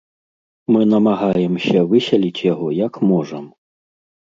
Мы намагаемся весяліць яго, як можам.